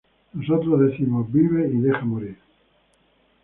Nosotros decimos: vive y deja morir".